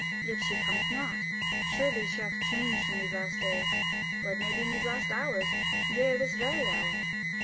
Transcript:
yet she cometh not. Surely she hath changed in these last days, or it may be in these last hours: yea, or this very hour."